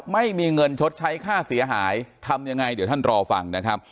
ไม่มีเงินชดใช้ค่าเสียหายทำยังไงเดี๋ยวท่านรอฟังนะครับ